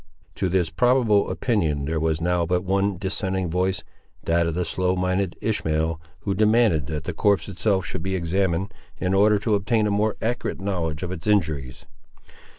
To this probable opinion there was now but one dissenting voice, that of the slow minded Ishmael, who demanded that the corpse itself should be examined in order to obtain a more accurate knowledge of its injuries.